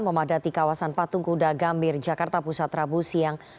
memadati kawasan patung kuda gambir jakarta pusat rabu siang